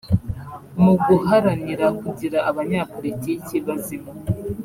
Mu guharanira kugira abanyapolitiki bazima